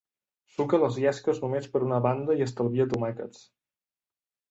Suca les llesques només per una banda i estalvia tomàquets.